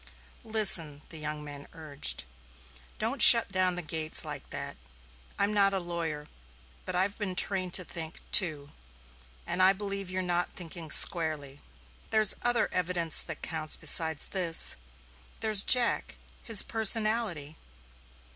"Listen," the young man urged. "Don't shut down the gates like that. I'm not a lawyer, but I've been trained to think, too, and I believe you're not thinking squarely. There's other evidence that counts besides this. There's Jack his personality."